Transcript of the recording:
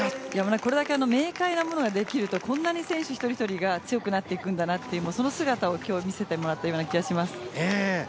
これだけ明快なものができるとこんなに選手一人一人が強くなっていくんだなとその姿をきょう見せてもらったような気がします。